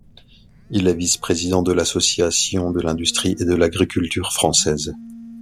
Il est vice-président de l'Association de l'industrie et de l'agriculture françaises.